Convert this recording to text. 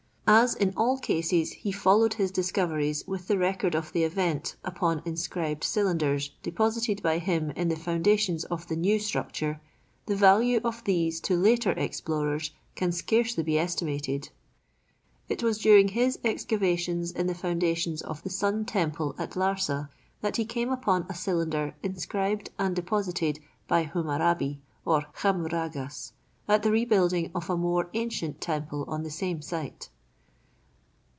As in all cases he followed his discoveries with the record of the event upon inscribed cylinders deposited by him in the foundations of the new structure, the value of these to later explorers can scarcely be estimated. It was during his excavations in the foundations of the Sun temple at Larsa that he came upon a cylinder inscribed and deposited by Hammurabi, or Khammuragas, at the rebuilding of a more ancient temple on the same site.